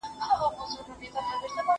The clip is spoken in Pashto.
د قوت کارول باید وروستۍ لاره وي.